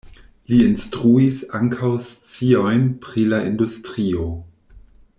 Li instruis ankaŭ sciojn pri la industrio.